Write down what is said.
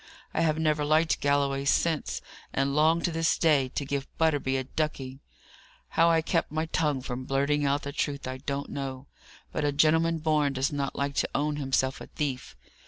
I have never liked Galloway since; and I long, to this day, to give Butterby a ducking. How I kept my tongue from blurting out the truth, I don't know: but a gentleman born does not like to own himself a thief.